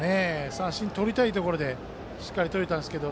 三振とりたいところでしっかりとれたんですけど。